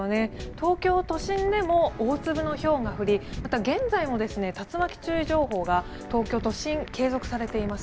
東京都心でも大粒のひょうが降りまた、現在も竜巻注意情報が東京都心、継続されています。